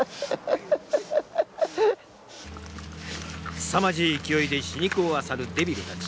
すさまじい勢いで死肉をあさるデビルたち。